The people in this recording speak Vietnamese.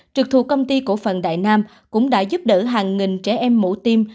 trực thuộc công ty cổ phần đại nam cũng đã giúp đỡ hàng nghìn trẻ em mổ tim